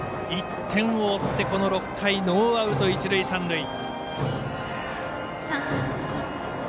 １点を追ってこの６回ノーアウト、一塁三塁。